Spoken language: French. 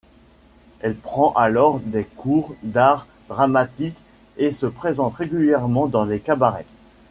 Elle prend alors des cours d'art dramatique et se présente régulièrement dans les cabarets.